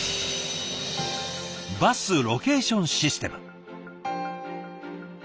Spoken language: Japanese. バスロケーションシステム。